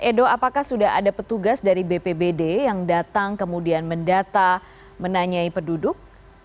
edo apakah sudah ada petugas dari bpbd yang datang kemudian mendata menanyai penduduk